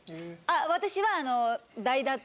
私は。